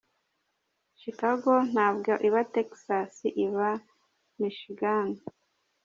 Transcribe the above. chicago ntabwo iba texas iba michigan.